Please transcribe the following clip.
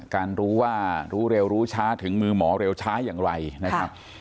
การรู้ว่ารู้เร็วรู้ช้าถึงมือหมอเร็วช้าอย่างไรนะครับ